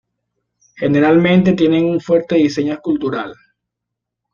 Generalmente tienen un fuerte diseño escultural.